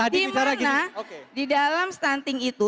di mana di dalam stunting itu